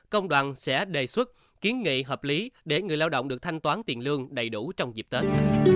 công đoàn sẽ đề xuất kiến nghị hợp lý để người lao động được thanh toán tiền lương đầy đủ trong dịp tết